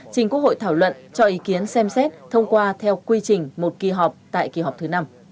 trình quốc hội thảo luận cho ý kiến xem xét thông qua theo quy trình một kỳ họp tại kỳ họp thứ năm